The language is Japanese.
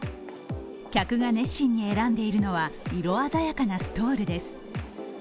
客が熱心に選んでいるのは色鮮やかなストールです。